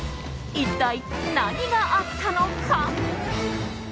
一体何があったのか。